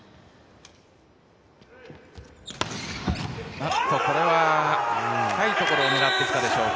あっとこれは、深い所を狙ってきたでしょうか。